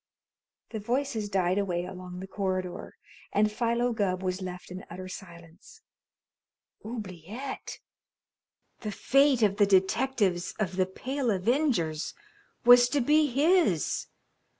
The voices died away along the corridor, and Philo Gubb was left in utter silence. Oubliette! The fate of the detectives of "The Pale Avengers" was to be his!